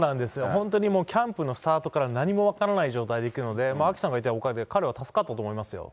本当に、キャンプのスタートから何も分からない状態で行くので、アキさんがいったおかげで、彼は助かったと思いますよ。